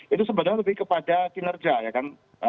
itu sebenarnya lebih kepada kinerja ya kan